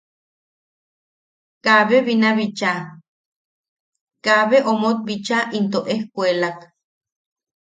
Kaabe binabicha... kaabe omot bicha into ejkuelak.